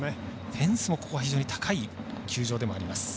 フェンスもここは非常に高い球場でもあります。